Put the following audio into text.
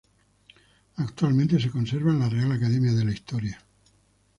Actualmente se conserva en la Real Academia de la Historia.